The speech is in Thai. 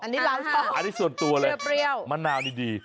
อันนี้ส่วนตัวเลยมะนาวนี่ดี